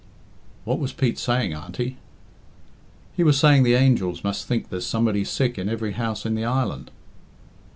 "What was Pete saying, Auntie?" "He was saying the angels must think there's somebody sick in every house in the island."